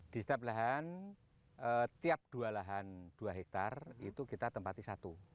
di setiap lahan tiap dua lahan dua hektare itu kita tempati satu